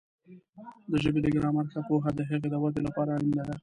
د ژبې د ګرامر ښه پوهه د هغې د وده لپاره اړینه ده.